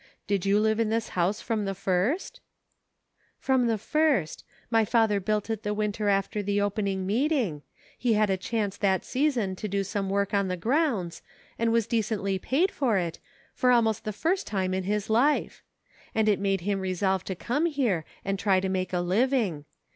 Did you live in this house from the first 1 "" From the first ; my father built it the winter after the opening meeting ; he had a chance that season to do some work on the grounds, and was decently paid for it, for almost the first time in his life ; and it made him resolve to come here and try to make a living.